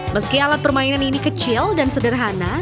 meski alat permainan ini kecil dan sederhana